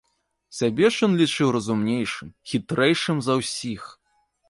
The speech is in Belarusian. Сябе ж ён лічыў разумнейшым, хітрэйшым за ўсіх.